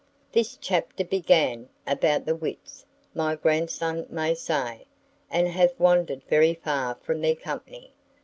This chapter began about the wits, my grandson may say, and hath wandered very far from their company.